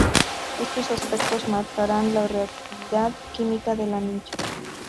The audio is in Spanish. Estos aspectos marcarán la reactividad química del anillo.